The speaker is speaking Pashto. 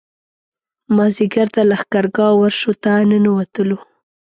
مازیګر د لښکرګاه ورشو ته ننوتلو.